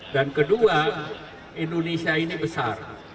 dan kedua indonesia ini besar